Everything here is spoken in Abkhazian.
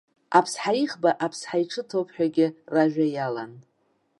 Аԥсҳа иӷба аԥсҳа иҽы ҭоуп ҳәагьы ражәа иалан.